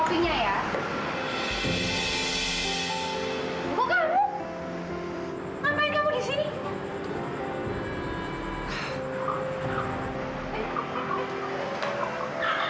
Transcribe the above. ngapain kamu disini